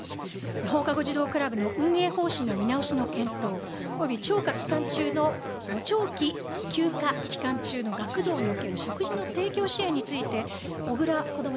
放課後児童クラブの運営方針の見直しの検討、およびちょうか期間中の、長期休暇期間中の学童における食事の提供支援について、小倉こども